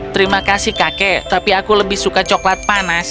terima kasih kakek tapi aku lebih suka coklat panas